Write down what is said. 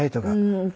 うん。